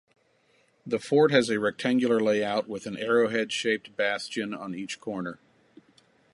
The fort has a rectangular layout, with an arrowhead-shaped bastion on each corner.